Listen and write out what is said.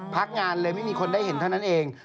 พักงานเลยไม่มีคนได้เห็นเท่านั้นเอง